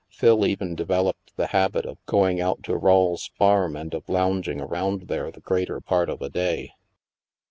Phil even developed the habit of going out to Rawle's farm and of lounging around there the greater part of a day.